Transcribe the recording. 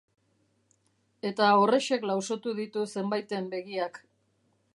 Eta horrexek lausotu ditu zenbaiten begiak.